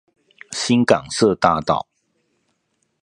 新港社大道